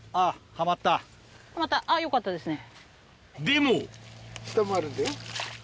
はまったあぁよかったですね。